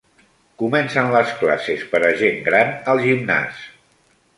Comencen les classes per a gent gran al gimnàs.